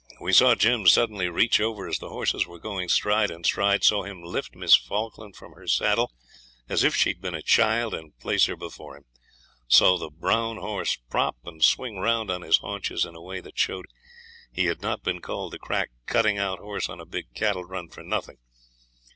We saw Jim suddenly reach over as the horses were going stride and stride; saw him lift Miss Falkland from her saddle as if she had been a child and place her before him; saw the brown horse prop, and swing round on his haunches in a way that showed he had not been called the crack 'cutting out' horse on a big cattle run for nothing.